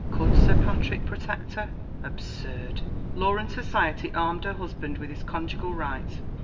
Could Sir Patrick protect her? Absurd! Law and Society armed her husband with his conjugal rights.